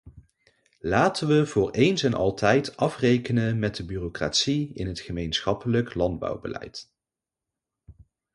Laten we voor eens en altijd afrekenen met de bureaucratie in het gemeenschappelijk landbouwbeleid.